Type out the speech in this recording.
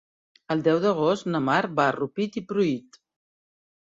El deu d'agost na Mar va a Rupit i Pruit.